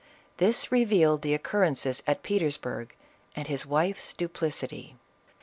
This re vealed the occurrences at Petersburg, and his wife's duplicity.